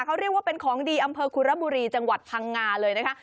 เขาเรียกว่าเป็นของดีอำเภอคุระบุรีจังหวัดพังงาเลยนะคะ